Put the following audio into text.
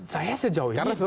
saya sejauh ini